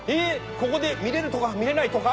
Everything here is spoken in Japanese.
ここで見れるとか見れないとか？